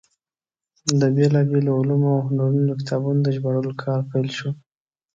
د بېلابېلو علومو او هنرونو د کتابونو د ژباړلو کار پیل شو.